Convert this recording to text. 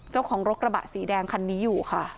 เจ้าของรถกระบะสีแดงคันนี้อยู่ค่ะ